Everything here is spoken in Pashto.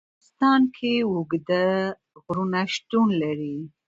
په افغانستان کې اوږده غرونه شتون لري.